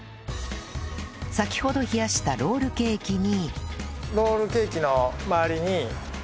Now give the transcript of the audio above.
先ほど冷やしたロールケーキに